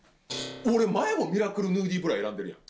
俺前もミラクルヌーディブラ選んでるやん。